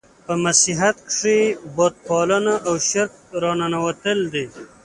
په مسیحیت کښي بت پالنه او شرک راننوتل دي.